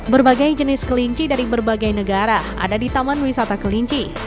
berbagai jenis kelinci dari berbagai negara ada di taman wisata kelinci